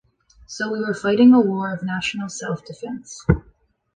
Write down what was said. So we were fighting a war of national self-defence.